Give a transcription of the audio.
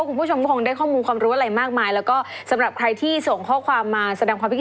เราประชาชนก็ปรับตัวกันไปแล้วกันนะคะตามยุคตามสมัย